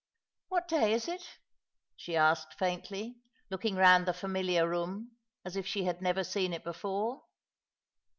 " What day is it ?" she asked faintly, looking round the familiar room, as if she had never seen it before.